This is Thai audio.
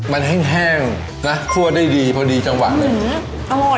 มันแห้งนะคั่วได้ดีพอดีจังหวะเลยอร่อย